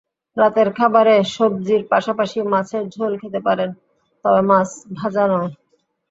রাতের খাবারে সবজির পাশাপাশি মাছের ঝোল খেতে পারেন, তবে মাছ ভাজা নয়।